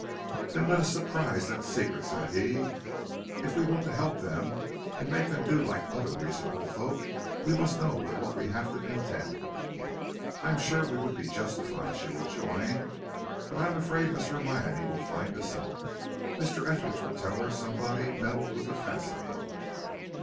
"Then let us surprise that secret," said he. "If we want to help them and make them do like other reasonable folks, we must know with what we have to contend." "I am sure we would be justified," she rejoined. "But I am afraid Miss Hermione will find us out. Mr. Etheridge will tell her somebody meddled with the fastening."